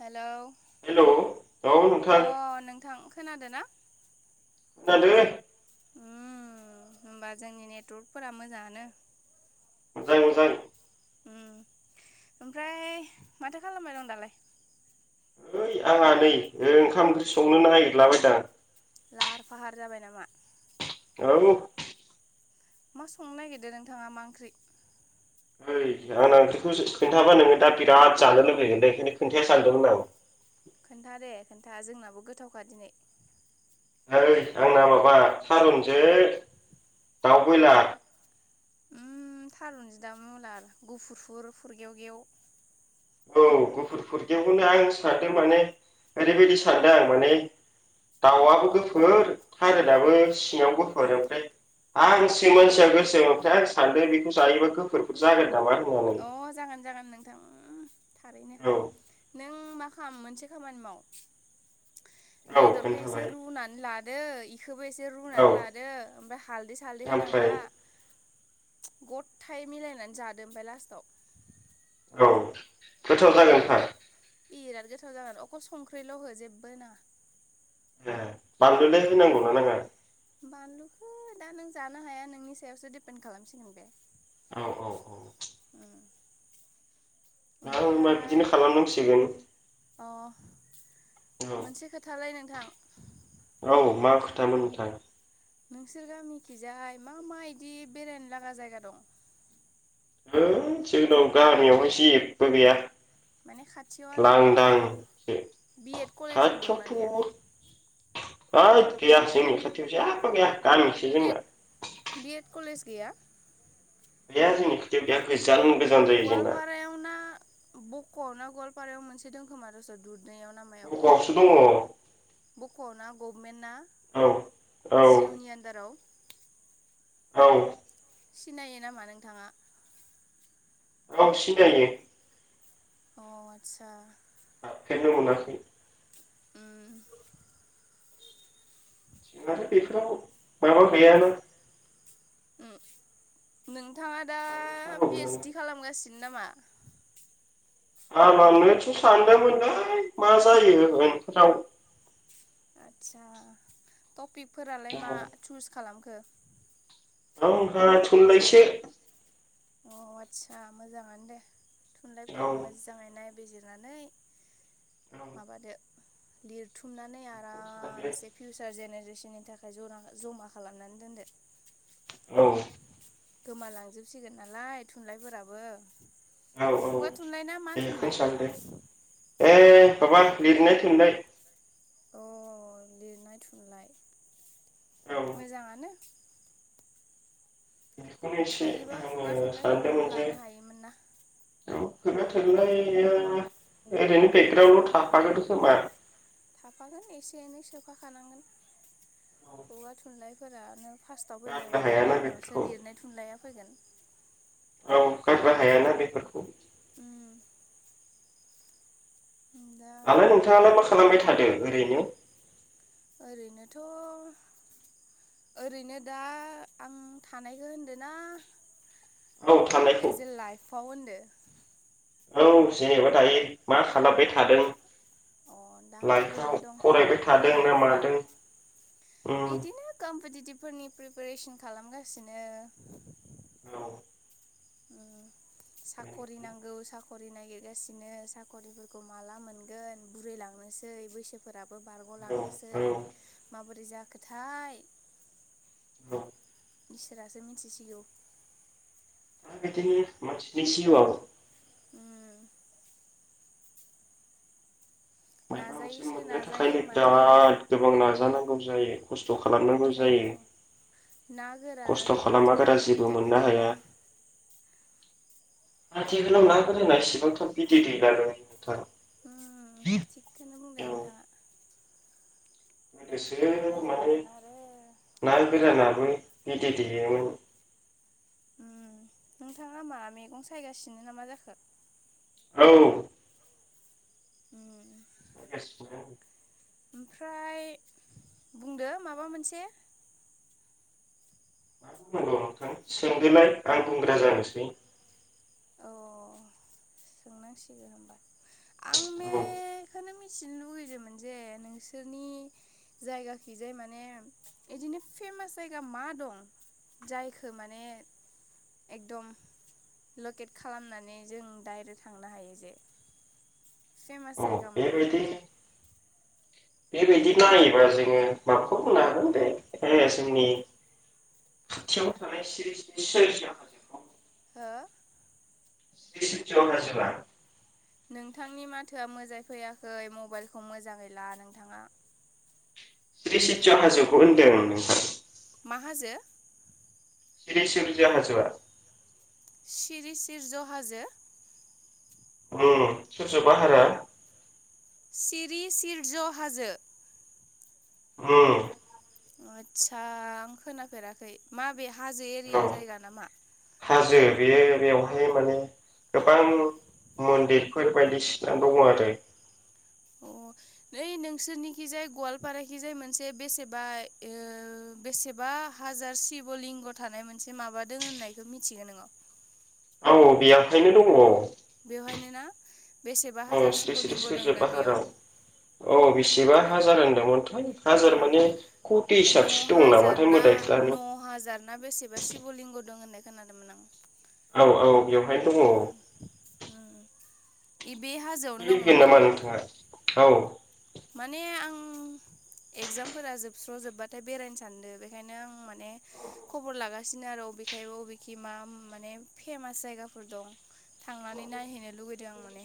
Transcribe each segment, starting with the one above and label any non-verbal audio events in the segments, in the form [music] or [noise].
Hello. Hello औ नोंथां खोनादो ना खोनादो उम होमबा जोंनि नेटवर्कफोरा मोजाङानो मोजां मोजां उम ओमफ्राय माथो खालामबाय दं दालाय ओइ आंहा नै ओ ओंखाम ओंख्रि संनो नागिरलाबायदां लाहार फाहार जाबाय नामा औ मा संनो नागिरदो नोंथाङा मा ओंख्रि [unintelligible] [unintelligible] आंना ओंख्रिखौ स खोनथाबा नोङो दा बिराद जानो लुैगोन दै बेखायनो खिनथाया सानदोंमोन आं खोन्थादे खोन्था जोंनाबो गोथावखा दिनै ओइ आंना माबा थारुनसो दाउ बयलार उम थारुनजो दाउ [unintelligible] उगुफुरफुर फुरगेवगेव औ गुफुर फुरगेवखौनो आं सानदों माने [unintelligible] दाउआबो गोफोर थारोनाबो सिङाव गोफोर ओमफ्राय [unintelligible] अ जागोन जागोन नोंथां उम [unintelligible] थारैनो औ नों मा खाम मोनस मोनसे खामानि माव औ बेदरखो एसे खोन्थाबाय रुनानै लादो इख खोबो एसे औ रुनानै लादो ओमफ्राय हालदै सालदै होनांला ओमफ्राय गदथाय मिलायनानै जादो ओमफ्राय लास्टाव औ गोथाव उम जागोनफा बिराद गोथाव जागोन अखल संख्रिल' हो जेब्बो होनाङा ए बानलुलाय होनांगौ ना उम नाङा? बानलुखौ दा नों जानो हाया नोंनि सायावसो डिपेन्ड खालामसिगोन बे औ औ औ उम ना होमबा ओमफ्राय बिदिनो खालामनांसिगोन अ औ मोनसे खोथालाय नोंथां औ मा खोथामोन नोंथां नोंसोरो मुखिजाहाय मा मा इदि बेरायनो लागा जायगा दं धोइ जोंनाव गामियावहाय जेब्बो गैया माने खाथियाव आरो लांदांसो बिएड कलेजफोर दंना गैया आद गैया जोंनि खाथिआव जेब्बो गैया गामिसो जोंना बिएड बिएड कलेज गैया गैया जोंनि खोथायाव गैया बेसां गोजान जायो जोंना गवालपारायाव ना बक'आव ना गवालपारायाव मोनसे दों खोमा दस दु [unintelligible] अ बक' आवसो दङ' बख'वना गभमेन्टना औ औ जिउनि आन्दाराव औ सिनायो नामा नोंथाङा औ सिनायो अ आतसा हाबफेरनो मोनाखै उम नाथाय बेफोराव माबा गैयानो? उम नोंथाङा दा थांनो जाबावगौ पि नोङो ओइसडि खालामगासि नामा [unintelligible] सानदोंमोनहाय मा जायो उनफोराव आदसा टपिकफोरालाय मा चुस खालामखो आं हा थुनलायसो। अ आटसा मोजाङानो दे औ थुनलाइफोरखौ औ मोजाङै नाय बिजिरनानै माबादेर लिरथुम खांनानै आरामसे सानदों फिउचार जेनेरेसन बिनि थाखाय जरा जमा खालामनानै दोनदो। औ गोमालांजोबसिगोन नालाय थुनलाइफोराबो औ औ खुगा थुनलाइ ना मा दे थुनलाइ बेखौनो सानदों। ए माबा लिरनाय थुनलाइ। अ लिरनाय थुनलाइ औ मोजाङानो [inaudible] बेखौनो एसे हायोबा खुगा आङो थुनलाइफोरखौबो लानो हायोमोन ना औ खुगाथुनलाया ओरैनो खुगा बेकग्राउडल' थुनलाइ थाफागोन खोमा थाफागोन एसे सोफाखानांगोन खुगा थुनलाइफोरानो फार्स्टआव फैनांगोन गारनो बेनि हायाना उनावसो बेफोरखौ लिरनाय थुनलाइया फैगोन औ गारनो हायाना बेफोरखौ उम दा दालाय नोंथाङालाय मा खालामबाय थादो ओरैनो? ओरैनोथ' ओरैनो दा आं थानायखौ होनदों ना औ थानायखौ एस ए लाइफआव होनदों? औ जेनेबा दायो मा खालामबाय थादों अ दा आं लाइफ आव ओरैनो दं फरायबाय थादों ना मादों? उम बिदिनो कम्पिटिटिभफोरनि प्रिपेरेसन खालामगासिनो औ साख'रि नांगौ साखरि नागिरगासिनो साखरिफोरखौ माला मोनगोन बुरैलांनोसै बैसोफोर बो औ बारग'लांनोसै औ माबोरै जाखोथाय औ इसोरासो मिथिसिगौ। बिदिनो मानसिनि जिउ याव उम मायबा मोनसे नाजायोसो मोननो नाजायो थाखायनो माथो बिराद गोबाव नाजानांगौ जायो खस्थ' खालामनांगौ जायो। बे [inaudible] ओंखायनोथ' ना गोरानानो माथो जेबो बिदैबो मोननो हाया दैला आथिखालाव ना गोराना इसेबां थाब बिदै दैलालै नोंथां। ओम थिगखौनो औ बुंदों नोंथाङा। बेसो मा मारै जागोन आरो ना गोरानाबो बिदै दैनो उम नोंथाङा मा मैगं सायगासिनो ना मा जाखो? औ [inaudible] [inaudible] ओमफ्राय बुंदो माबा मोनसे मा बुंनांगौ नोंथां सोंदोलाय आं बुंग्रा जानोसै अ' सोंनांसिगौ होमबा आं औ मेखौनो मिथि मिन्थिनो लुुबैदोंमोन जे नोंसोरनि जायगाखिजाय माने बिदिनो फेमास जायगा मा दं जायखौ माने एकदम लकेट खालामनानै जों दाइ थांनो हायो जे औ फेमास जायगा माने। बेबायदि बेबायदि नायोबा जोङो माखौ बुंना हागोन होनदों जोंनि। खाथियाव थानाय सिरि सिरि [unintelligible] हो [unintelligible] नोंथांनि माथोआ मोजाङै फैयाखै मबाइलखौ मोजाङैला नोंथाङा। सश्रितज हाजोखौ होन्दों। माहाजो? सिरि सलज ह जवा सिरि सिरज हाजो? उम सोर सोर बाहारा सिरि सिरज हाजो। उम आदसा आं खोनाफेराखै माबे हाजो औ एरिया जायगा नामा? हाजो बेयो बेवहाय माने गोबां मन्दिरफोर बायदिसिना दङ आरो। अ नै नोंसोरनिखिजाय गवालपाराखिजाय मोनसे बेसेबा ओ बेसेबा हाजार शिब लिंग थानाय मोनसे माबादों होननायखौ मिथिग नोंगो? [inaudible] औ बेवहायनो दङ। बेवहायनो ना बेसेबा औ हाजार श्री शिब श्री लिंग सुर्य दंना बेयाव? पाहाराव औ बेसेबा हाजार होनदोंमोनथाय हाजार उम माने कौति न' हिसाबसो दं हाजार नामाथाय ना मोदायफोरानो। फुलिंगु दं होननाय खोनादोंमोन आं। औ औ बेवहायनो दङ। उम उम इ बे हाजोआवनो दं फैल फैगोन माने नामा नोंथाङा औ। माने आं एगजामफोरा जोबस्र जोब्बाथाय बेरायनो सानदों बेखायनो आं माने खबर लागासिनो आरो। बेखाय बबेखि मा माने फेमास जायगाफोर दं। थांनानै नायहैनो लुगैदों आं माने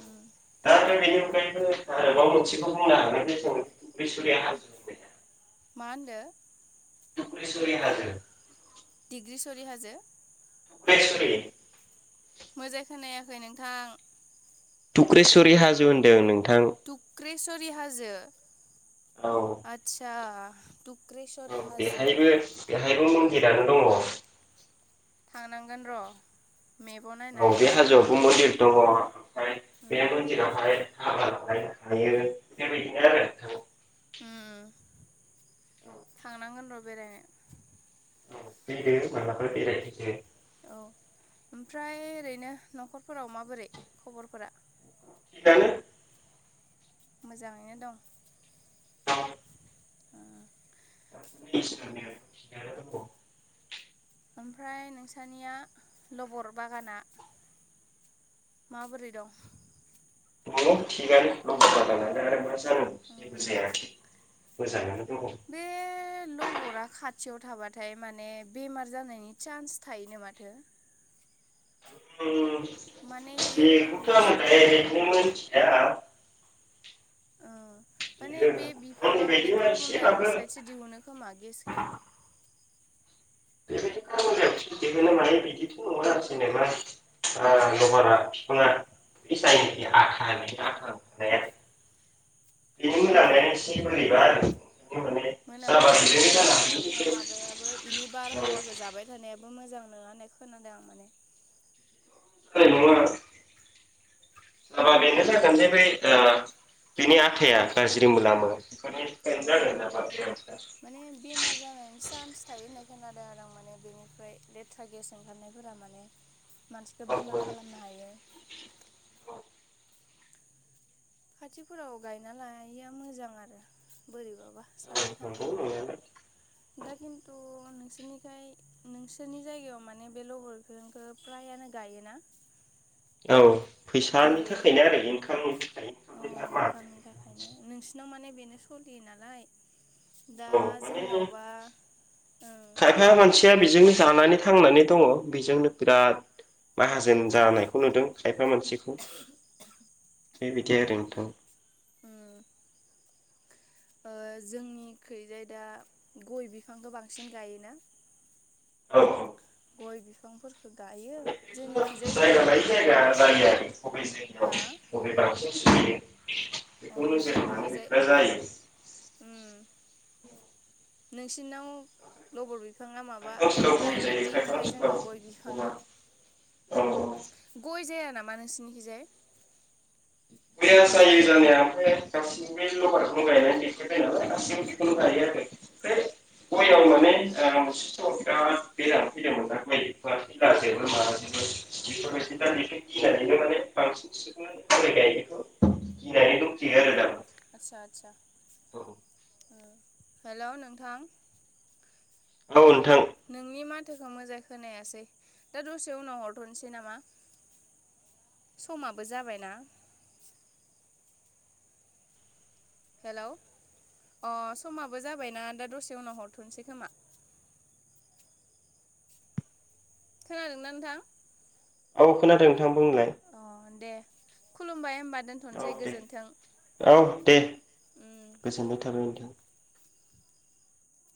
उम। दा ओमफ्राय बेनि अनगायैबो आरोबाव मोनसेखौ बुंनो हागोन जे जों रिसुरया हाजो मा होनदो? रिसुरिया हाजो। डिग्रि सरिहाजो? बेसरि मोजां खोनायाखै नोंथां। टुक्रेस्वरि हाजो होनदों नों थुक्रेसरि हाजो। औ आतसा। औ बेहायबो बेहायबो मन्दिरानो दङ। थांगोन र। मेपाव औ नायनानै बे हाजोआवबो आरामनो मन्दिर दङ ओमफ्राय बे उम मन्दिरावहाय हाबाबो होयोे बेदि बेथ उम थांनांगोन र बेरायनो। औ फैदो मलााबा बेरायफैदो। औ ओमफ्राय ओरैनो नखरफोराव माबोरै खबरफोरा? थिगानो। मोजाङैनो दं। दं [unintelligible] ओमफ्राय नोंसानिया लबर बागाना माबोरै दं? दङ थिगानो न जाल आरो मा जानांगौ जेबो जायाखै मोजाङानो। दङ उम बे लहरा खा थियाव थाबाथाय माने बेमार जानायनि चान्स थायोनो माथो? उम माने इयो बेखौथो बुस्थु आङो य मोनथिया। माने बे आंनि बिफाङा माने बायदिबा एसेबाबो कार्बन-डाइ-अक्साइड गेसो दिहुनो खोमा गेसखौ? बे बायदि कार्बन डा दिहुनो माने बिदिथ' नङा आरो जेनेबा लबारा बिफाङा। बिसायो आ आ [inaudible] बिनि उन म नोंसे गोरलैबा आरो [unintelligible] माने जाबा मोनामनाया एसे बेजोंनो बोरैबा ओमफ्राय जानो माबायाबो इनि हागौ बारहावाखौ जाबाय थानाया बबो मोजां नङा होननाय खोनादों आं माने इ मा [unintelligible] हाबा बेनो जागोन जे ब बिनि आथाया गाज्रि मोनामो खज गा अ ब माने [unintelligible] ओ माने बेनिफ्राय लेथ्रा गेस ओंखारनायफोरा माने [inaudible] मानसिखौ बेमार औ खालामनो हायो खाथिफोराव गायना लानाया मोजां आरो बोरैबा साननो नंगौ थाङोबा नंनायालाय दा खिन्थु अ नोंसोरनिखै नोंसोरनि जायगायाव माने बे लबर बिफांखौ फ्रायानो गायोना [inaudible] औ फैसानि जेरै थाखायनो इनकामनि फिथाइ अ इनकामनि थाखायनो नोंसिनाव माने बेनो सोलियो नालाय दा औ माने जोंनावबा ओ खायफा मानसिया बेजोंनो जानानै थांनानै दङ बेजोंनो बिराद माहाजोन जानायखौ नुदों खायफा मानसिखौ बेबायदि आरो नोंथां उम ओ जोंनि खैजाय दा गय बिफांखौ बांसिन गायोना औ औ गय बिफांफोरखौ गायो जोंनि खिजाय जेरै जायगा लायै गय बिफां जायगा जायो आरो बबे हो बेनो म बेख जाय [unintelligible] नोंसिनि नाव लबर बिफाङा माबा खायफा ओनसोलाव गय जायो प्रायरिटि खायफा ओमफ्राय जोंनाव गय बिफाङा ओनसोलाव औ औ गय जाया नामा नोंसिनिखैजाय बेयो जायो जानाया ओमफ्राय गासिबो लबरखौनो गायनानै देखायबाय नालाय गाससिबो बेखौनो गायो [inaudible] गययाव मानें मोनसे समाव बिराद गोजान फैदोंमोन नना गय म फैलाजोबो माबाजोबो [unintelligible] बे दि माने बांसिन [unintelligible] गय गायनायखौ गिनानै अ दंखियो आरो द आदसा आदसा [unintelligible] हेल' नोंथां औ नोंथां नोंनि मा थोखौ मोजाङै खोनायासै दा दसे उनाव हरथ'नोसै नामा समाबो जाबायना हेलौ अ समाबो जाबायना दा दसे उनाव हरथ'सै खोमा खोनादोंना नोंथां औ खोनादों नोंथां बुंलाय अ दे खुलुमबाय होमबा औ दोन्थ'नोसै दे गोजोन्थों औ दे उम। गोजोननाय थाबाय नोंथां